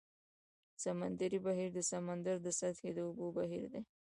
سمندري بهیر د سمندر د سطحې د اوبو بهیر دی.